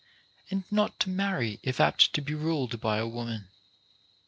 X1 and not to marry if apt to be ruled by a woman.